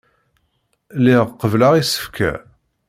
Lliɣ qebbleɣ isefka.